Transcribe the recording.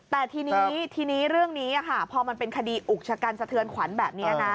แต่ทีนี้ทีนี้เรื่องนี้พอมันเป็นคดีอุกชะกันสะเทือนขวัญแบบนี้นะ